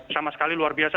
sama sekali luar biasa